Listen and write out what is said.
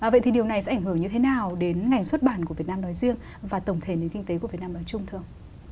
vậy thì điều này sẽ ảnh hưởng như thế nào đến ngành xuất bản của việt nam nói riêng và tổng thể nền kinh tế của việt nam nói chung thưa ông